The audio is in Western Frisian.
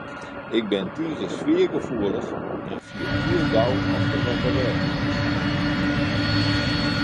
Ik bin tige sfeargefoelich en fiel hiel gau oft der wat te rêden is.